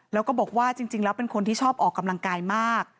แล้วก็บอกว่าจริงแล้วเป็นคนที่ชอบออกกำลังกายมาก